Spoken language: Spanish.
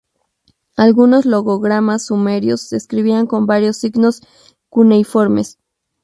Algunos logogramas sumerios se escribían con varios signos cuneiformes.